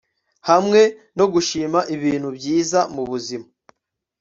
Hamwe no gushima ibintu byiza mubuzima